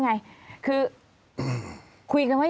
ลุงเอี่ยมอยากให้อธิบดีช่วยอะไรไหม